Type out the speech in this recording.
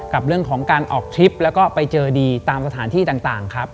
กับเรื่องของการออกทริปแล้วก็ไปเจอดีตามสถานที่ต่างครับ